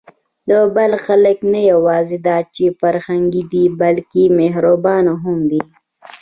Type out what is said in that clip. د بلخ خلک نه یواځې دا چې فرهنګي دي، بلکې مهربانه هم دي.